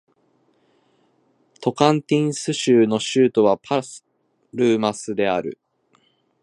トカンティンス州の州都はパルマスである